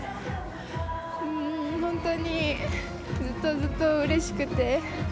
本当にずっとずっとうれしくて。